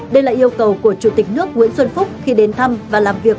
đây là yêu cầu của chủ tịch nước nguyễn xuân phúc khi đến thăm và làm việc